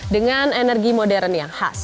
dengan energi modern yang khas